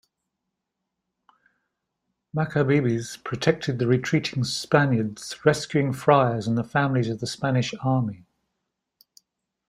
Macabebes protected the retreating Spaniards, rescuing friars and the families of the Spanish Army.